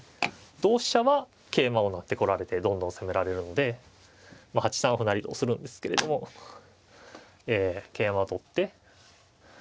同飛車は桂馬を成ってこられてどんどん攻められるのでまあ８三歩成とするんですけれどもえ桂馬を取って。